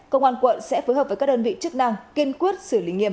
công an quận sẽ phối hợp với các đơn vị chức năng kiên quyết xử lý nghiêm